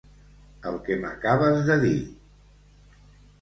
El que m'acabes de dir.